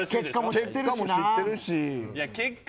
結果も知ってるし。